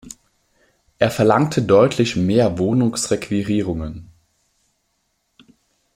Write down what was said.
Er verlangte deutlich mehr Wohnungs-Requirierungen.